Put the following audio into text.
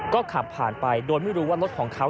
ก็ขับผ่านไปโดยไม่รู้ว่ารถของเขา